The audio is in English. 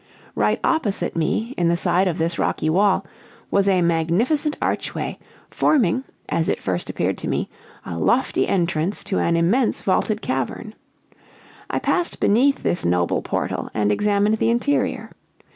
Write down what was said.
Right opposite me, in the side of this rocky wall, was a magnificent archway, forming, as it first appeared to me, a lofty entrance to an immense vaulted cavern. I passed beneath this noble portal and examined the interior.